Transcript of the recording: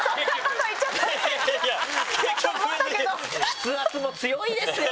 筆圧も強いですよ